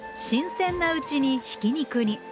新鮮なうちにひき肉に。